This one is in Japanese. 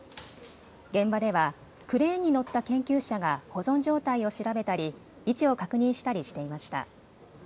現場ではクレーンに乗った研究者が保存状態を調べたり位置を確認したりしていました。